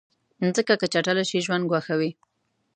مځکه که چټله شي، ژوند ګواښي.